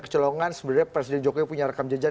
kecolongan sebenarnya presiden jokowi punya rekam jejak